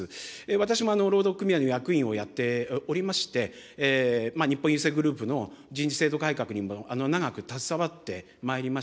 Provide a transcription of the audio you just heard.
私も労働組合の役員をやっておりまして、日本郵政グループの人事制度改革にも長く携わってまいりました。